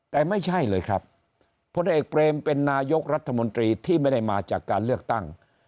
แต่ไม่ใช่เลยครับพลเอกเปรมเป็นนายกรัฐมนตรีที่ไม่ได้มาจากการเลือกตั้ง